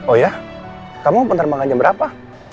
oh iya kamu mau penerbangan jam berapa